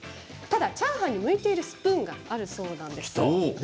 ただチャーハンに向いているスプーンがあるそうなんです。